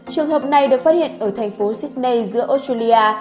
trường hợp này được phát hiện ở thành phố sydney giữa australia